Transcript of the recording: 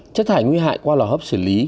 chất thải nguy hại qua lò hấp xử lý